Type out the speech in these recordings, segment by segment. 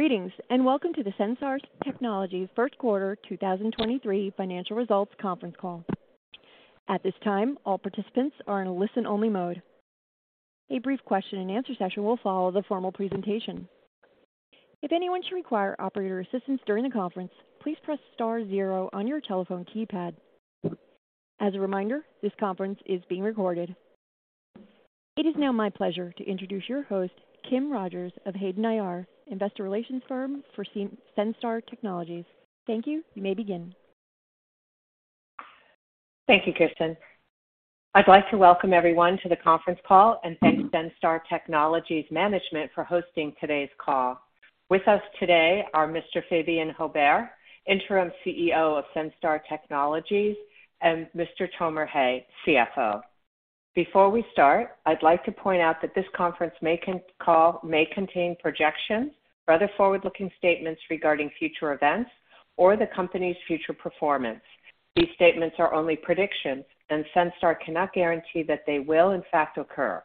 Greetings, welcome to the Senstar Technologies First Quarter 2023 Financial Results conference call. At this time, all participants are in listen-only mode. A brief question and answer session will follow the formal presentation. If anyone should require operator assistance during the conference, please press star zero on your telephone keypad. As a reminder, this conference is being recorded. It is now my pleasure to introduce your host, Kim Rogers of Hayden IR, investor relations firm for Senstar Technologies. Thank you. You may begin. Thank you, Kristen. I'd like to welcome everyone to the conference call and thank Senstar Technologies Management for hosting today's call. With us today are Mr. Fabien Haubert, Interim CEO of Senstar Technologies, and Mr. Tomer Hay, CFO. Before we start, I'd like to point out that this conference call may contain projections or other forward-looking statements regarding future events or the company's future performance. These statements are only predictions, and Senstar cannot guarantee that they will, in fact, occur.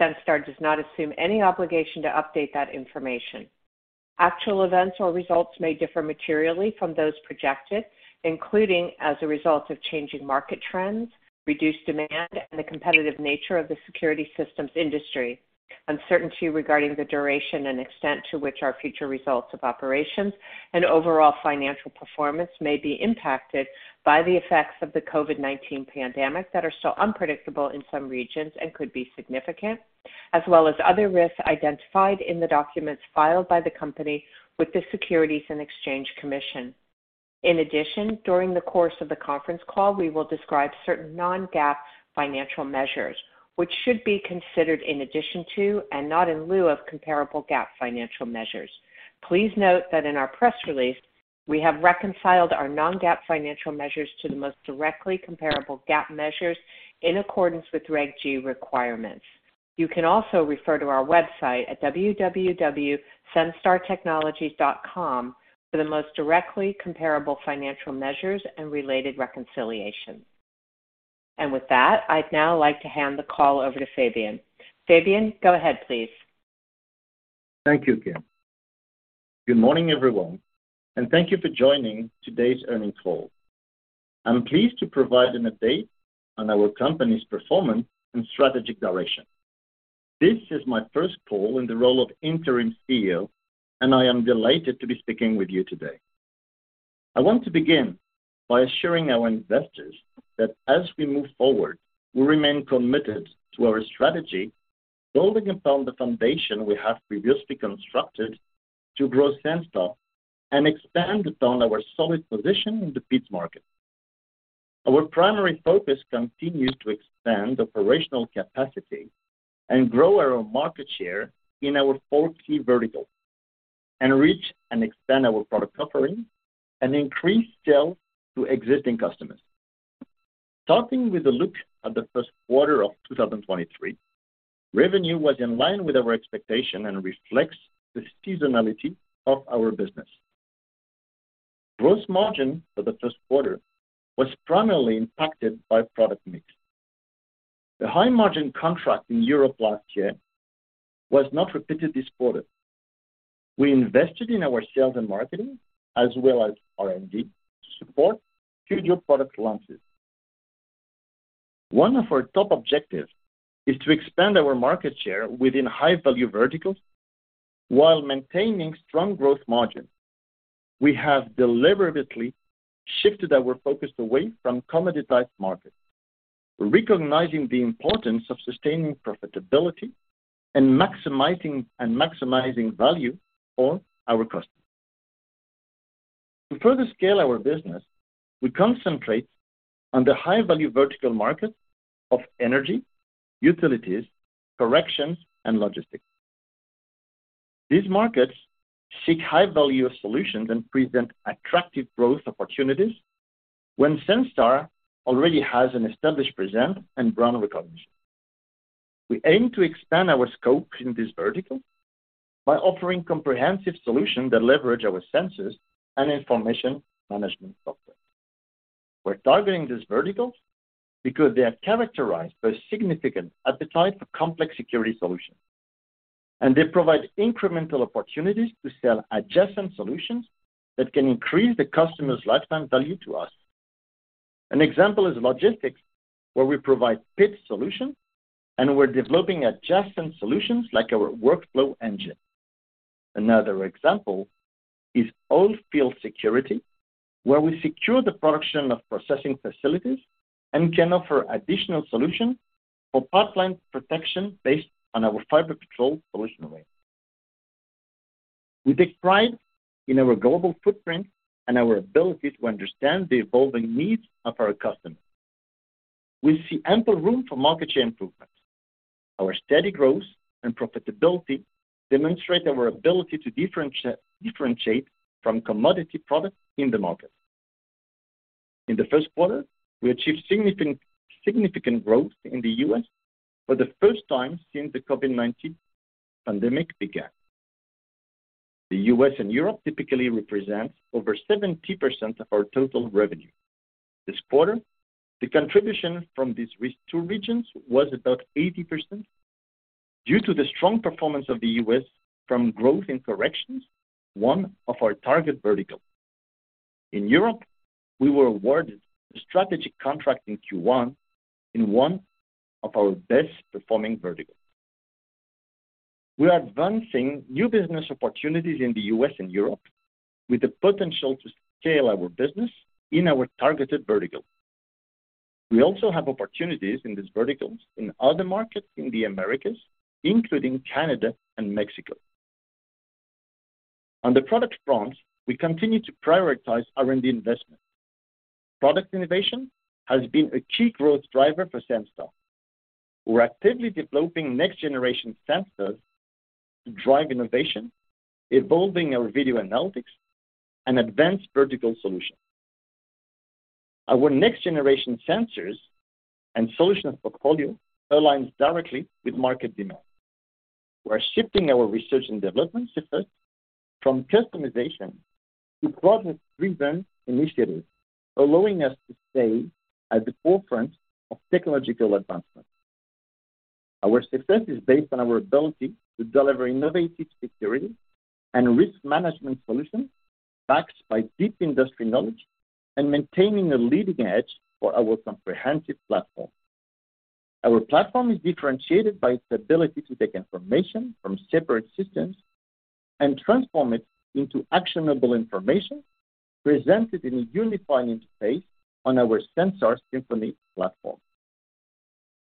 Senstar does not assume any obligation to update that information. Actual events or results may differ materially from those projected, including as a result of changing market trends, reduced demand, and the competitive nature of the security systems industry. Uncertainty regarding the duration and extent to which our future results of operations and overall financial performance may be impacted by the effects of the COVID-19 pandemic that are still unpredictable in some regions and could be significant, as well as other risks identified in the documents filed by the company with the Securities and Exchange Commission. During the course of the conference call, we will describe certain non-GAAP financial measures, which should be considered in addition to, and not in lieu of, comparable GAAP financial measures. Please note that in our press release, we have reconciled our non-GAAP financial measures to the most directly comparable GAAP measures in accordance with Reg G requirements. You can also refer to our website at www.senstartechnologies.com for the most directly comparable financial measures and related reconciliation. With that, I'd now like to hand the call over to Fabien. Fabien, go ahead, please. Thank you, Kim. Good morning, everyone, and thank you for joining today's earnings call. I'm pleased to provide an update on our company's performance and strategic direction. This is my first call in the role of Interim CEO, and I am delighted to be speaking with you today. I want to begin by assuring our investors that as we move forward, we remain committed to our strategy, building upon the foundation we have previously constructed to grow Senstar and expand upon our solid position in the PIDS market. Our primary focus continues to expand operational capacity and grow our market share in our four key verticals, enrich and expand our product offering, and increase sales to existing customers. Starting with a look at the first quarter of 2023, revenue was in line with our expectation and reflects the seasonality of our business. Gross margin for the first quarter was primarily impacted by product mix. The high-margin contract in Europe last year was not repeated this quarter. We invested in our sales and marketing, as well as R&D, to support future product launches. One of our top objectives is to expand our market share within high-value verticals while maintaining strong growth margins. We have deliberately shifted our focus away from commodity-type markets, recognizing the importance of sustaining profitability and maximizing value for our customers. To further scale our business, we concentrate on the high-value vertical market of energy, utilities, corrections, and logistics. These markets seek high-value solutions and present attractive growth opportunities when Senstar already has an established presence and brand recognition. We aim to expand our scope in this vertical by offering comprehensive solutions that leverage our sensors and information management software. We're targeting these verticals because they are characterized by significant appetite for complex security solutions. They provide incremental opportunities to sell adjacent solutions that can increase the customer's lifetime value to us. An example is logistics, where we provide PIDS solutions. We're developing adjacent solutions like our workflow engine. Another example is oil field security, where we secure the production of processing facilities. We can offer additional solutions for pipeline protection based on our FiberPatrol solution array. We take pride in our global footprint and our ability to understand the evolving needs of our customers. We see ample room for market share improvements. Our steady growth and profitability demonstrate our ability to differentiate from commodity products in the market. In the first quarter, we achieved significant growth in the U.S. for the first time since the COVID-19 pandemic began. The U.S. and Europe typically represent over 70% of our total revenue. This quarter, the contribution from these two regions was about 80%. Due to the strong performance of the U.S. from growth in corrections, one of our target verticals. In Europe, we were awarded a strategic contract in Q1, in one of our best performing verticals. We are advancing new business opportunities in the U.S. and Europe, with the potential to scale our business in our targeted verticals. We also have opportunities in these verticals in other markets in the Americas, including Canada and Mexico. On the product front, we continue to prioritize R&D investment. Product innovation has been a key growth driver for Senstar. We're actively developing next generation sensors to drive innovation, evolving our video analytics and advanced vertical solutions. Our next generation sensors and solutions portfolio aligns directly with market demand. We are shifting our research and development efforts from customization to product-driven initiatives, allowing us to stay at the forefront of technological advancement. Our success is based on our ability to deliver innovative security and risk management solutions, backed by deep industry knowledge and maintaining a leading edge for our comprehensive platform. Our platform is differentiated by its ability to take information from separate systems and transform it into actionable information, presented in a unified interface on our Senstar Symphony platform.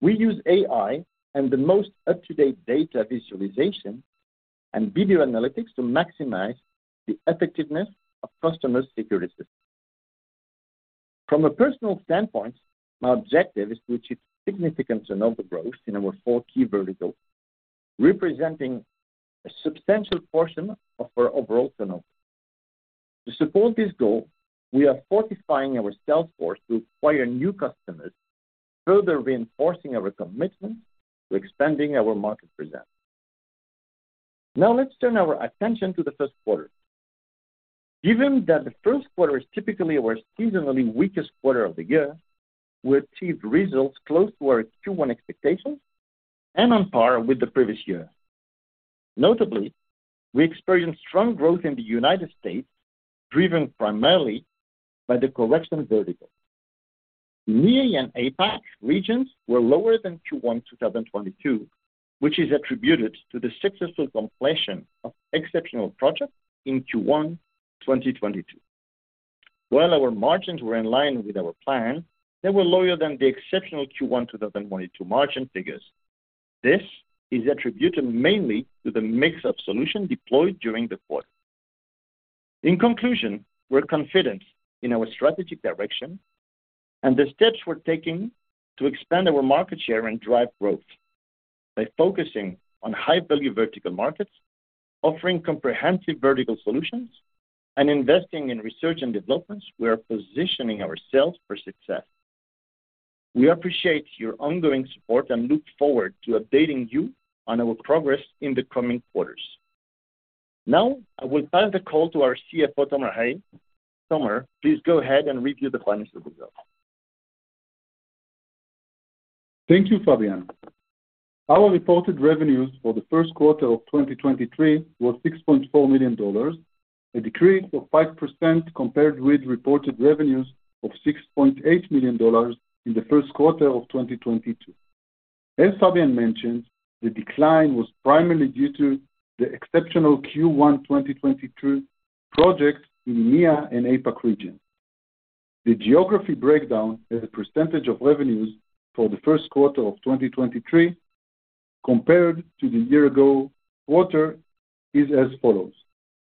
We use AI and the most up-to-date data visualization and video analytics to maximize the effectiveness of customer security systems. From a personal standpoint, my objective is to achieve significant turnover growth in our four key verticals, representing a substantial portion of our overall turnover. To support this goal, we are fortifying our salesforce to acquire new customers, further reinforcing our commitment to expanding our market presence. Now, let's turn our attention to the first quarter. Given that the first quarter is typically our seasonally weakest quarter of the year, we achieved results close to our Q1 expectations and on par with the previous year. Notably, we experienced strong growth in the United States, driven primarily by the correction vertical. EMEA and APAC regions were lower than Q1 2022, which is attributed to the successful completion of exceptional projects in Q1 2022. While our margins were in line with our plan, they were lower than the exceptional Q1 2022 margin figures. This is attributed mainly to the mix of solutions deployed during the quarter. In conclusion, we're confident in our strategic direction and the steps we're taking to expand our market share and drive growth. By focusing on high-value vertical markets, offering comprehensive vertical solutions, and investing in research and developments, we are positioning ourselves for success. We appreciate your ongoing support and look forward to updating you on our progress in the coming quarters. Now, I will pass the call to our CFO, Tomer Hay. Tomer, please go ahead and review the financial results. Thank you, Fabien. Our reported revenues for the first quarter of 2023 was $6.4 million, a decrease of 5% compared with reported revenues of $6.8 million in the first quarter of 2022. As Fabien mentioned, the decline was primarily due to the exceptional Q1 2022 projects in EMEA and APAC region. The geography breakdown as a percentage of revenues for the first quarter of 2023 compared to the year-ago quarter is as follows: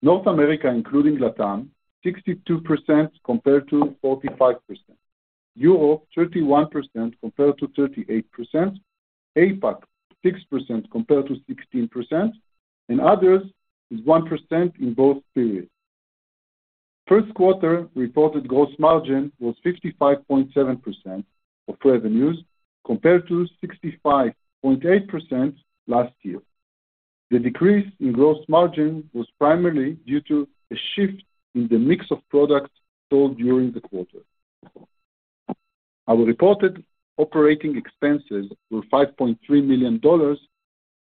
North America, including LATAM, 62% compared to 45%. Europe, 31% compared to 38%. APAC, 6% compared to 16%, and others is 1% in both periods. First quarter reported gross margin was 55.7% of revenues, compared to 65.8% last year. The decrease in gross margin was primarily due to a shift in the mix of products sold during the quarter. Our reported operating expenses were $5.3 million,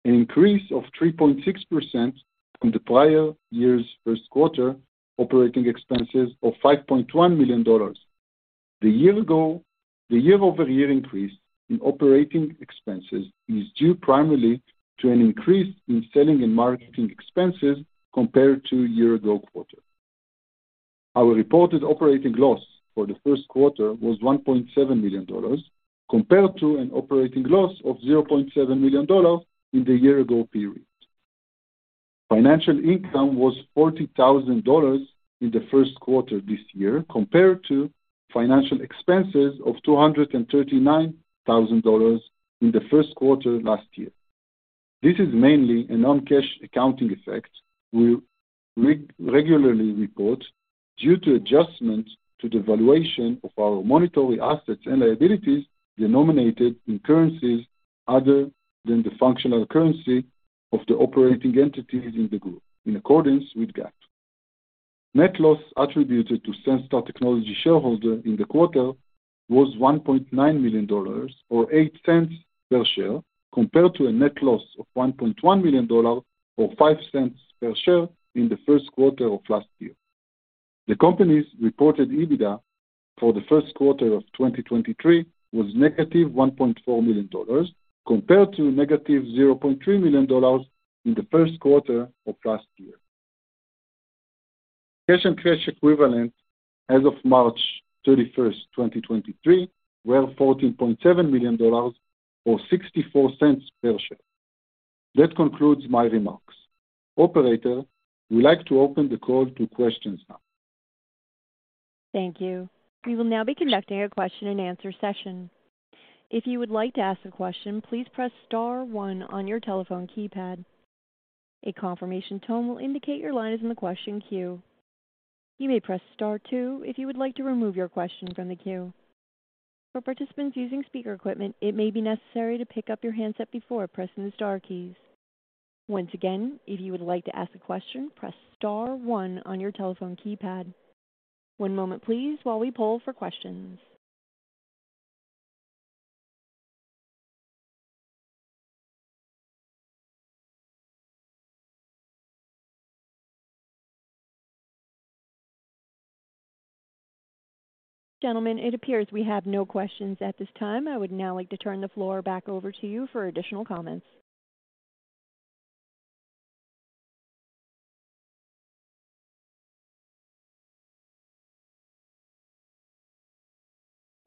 an increase of 3.6% from the prior year's first quarter operating expenses of $5.1 million. The year-over-year increase in operating expenses is due primarily to an increase in selling and marketing expenses compared to year-ago quarter. Our reported operating loss for the first quarter was $1.7 million, compared to an operating loss of $0.7 million in the year-ago period. Financial income was $40,000 in the first quarter this year, compared to financial expenses of $239,000 in the first quarter last year. This is mainly a non-cash accounting effect we regularly report due to adjustments to the valuation of our monetary assets and liabilities denominated in currencies other than the functional currency of the operating entities in the group, in accordance with GAAP. Net loss attributed to Senstar Technologies shareholder in the quarter was $1.9 million, or $0.08 per share, compared to a net loss of $1.1 million, or $0.05 per share, in the first quarter of last year. The company's reported EBITDA for the first quarter of 2023 was -$1.4 million, compared to -$0.3 million in the first quarter of last year. Cash and cash equivalent as of March 31st, 2023, were $14.7 million, or $0.64 per share. That concludes my remarks. Operator, we'd like to open the call to questions now. Thank you. We will now be conducting a question and answer session. If you would like to ask a question, please press star one on your telephone keypad. A confirmation tone will indicate your line is in the question queue. You may press star two if you would like to remove your question from the queue. For participants using speaker equipment, it may be necessary to pick up your handset before pressing the star keys. Once again, if you would like to ask a question, press star one on your telephone keypad. One moment please while we poll for questions. Gentlemen, it appears we have no questions at this time. I would now like to turn the floor back over to you for additional comments.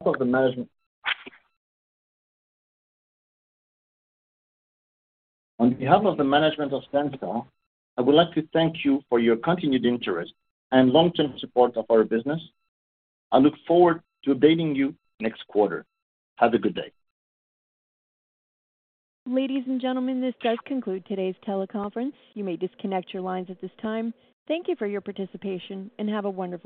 On behalf of the management of Senstar, I would like to thank you for your continued interest and long-term support of our business. I look forward to updating you next quarter. Have a good day. Ladies and gentlemen, this does conclude today's teleconference. You may disconnect your lines at this time. Thank you for your participation, and have a wonderful day.